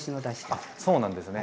あっそうなんですね。